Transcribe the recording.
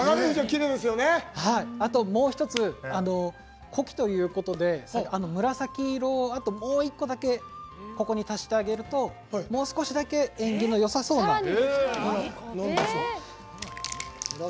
あともう１つ古希ということで紫色を、あともう１個だけここに足してあげるともう少しだけ演技のよさそうな。